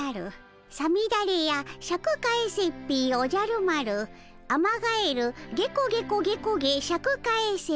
「さみだれやシャク返せっピィおじゃる丸」「アマガエルゲコゲコゲコゲシャク返せ」。